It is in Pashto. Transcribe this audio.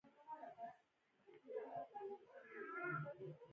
انګلیسي د پرمختګ کلي ده